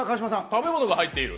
食べ物が入っている。